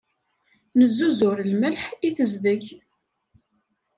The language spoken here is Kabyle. Nezzuzur lmelḥ i tezdeg.